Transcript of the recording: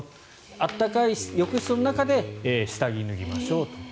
暖かい浴室の中で下着を脱ぎましょうと。